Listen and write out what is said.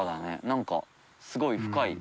何かすごい深い。